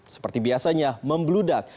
seperti biasanya membludak